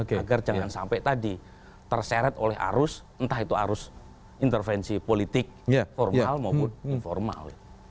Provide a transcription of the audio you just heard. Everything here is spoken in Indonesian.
agar jangan sampai tadi terseret oleh arus entah itu arus intervensi politik formal maupun informal